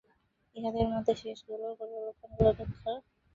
ইহাদের মধ্যে শেষোক্তগুলি পূর্বোক্তগুলি অপেক্ষা উচ্চতর।